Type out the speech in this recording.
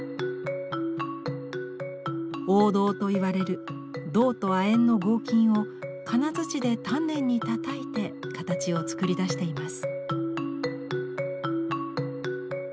黄銅といわれる銅と亜鉛の合金を金づちで丹念にたたいて形を作り出しています。